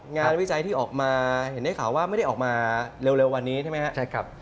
วิจัยที่ออกมาเห็นได้ข่าวว่าไม่ได้ออกมาเร็ววันนี้ใช่ไหมครับ